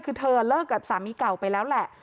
คือเธอเลิกกับสามีเก่าไปแล้วแหละ